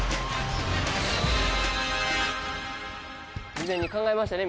事前に考えましたね？